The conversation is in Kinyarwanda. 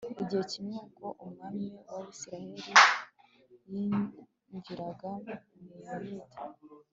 Igihe kimwe ubwo umwami wAbisirayeli yinjiraga mu Buyuda